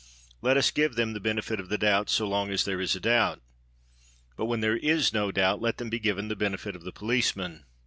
Let us give them the benefit of the doubt, so long as there is a doubt. But when there is no doubt, let them be given the benefit of the policeman.